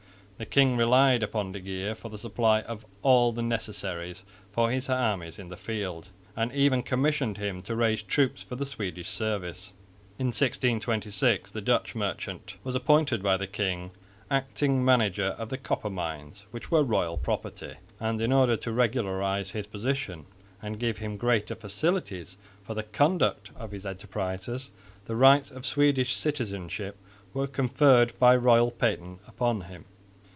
The king relied upon de Geer for the supply of all the necessaries for his armies in the field, and even commissioned him to raise troops for the Swedish service. In 1626 the Dutch merchant was appointed by the king acting manager of the copper mines, which were royal property; and, in order to regularise his position and give him greater facilities for the conduct of his enterprises, the rights of Swedish citizenship were conferred by royal patent upon him.